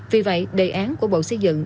vì vậy đề án của bộ xây dựng